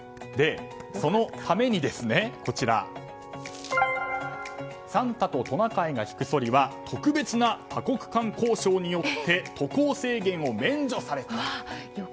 そのためにサンタとトナカイが引くそりは特別な多国間交渉によって渡航制限を免除された。